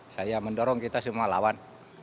saya mendorong kita semua lawan